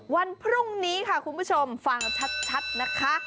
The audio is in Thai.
วันพรุ่งนี้ค่ะคุณผู้ชมฟังชัดนะคะ